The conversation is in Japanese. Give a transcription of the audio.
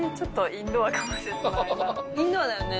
インドアだよね？